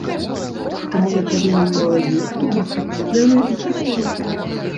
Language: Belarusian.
Таму я павінен мала есці, быць паслухмяным і працавітым.